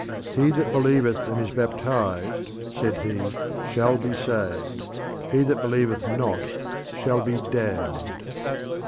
"He that believeth and is baptised," said he, "shall be saved. He that believeth not shall be damned."